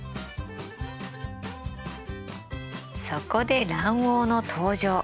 そこで卵黄の登場。